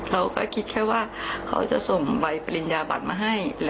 เราก็คิดแค่ว่าเขาจะส่งใบปริญญาบัตรมาให้